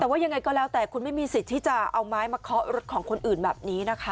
แต่ว่ายังไงก็แล้วแต่คุณไม่มีสิทธิ์ที่จะเอาไม้มาเคาะรถของคนอื่นแบบนี้นะคะ